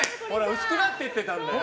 薄くなっていってたんだよ。